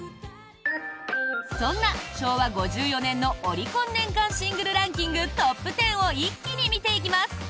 そんな昭和５４年のオリコン年間シングルランキングトップ１０を一気に見ていきます！